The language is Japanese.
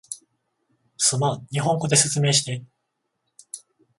すまん、日本語で説明して